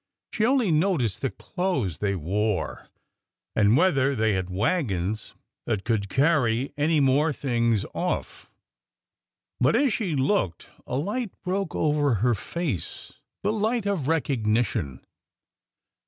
She only noticed the clothes they wore and whether they had wagons that could carry any 3i6 ORDER NO. 11 more things off. But as she looked, a light broke v.iver her face — the light of recognition.